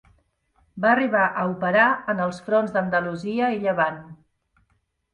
Va arribar a operar en els fronts d'Andalusia i Llevant.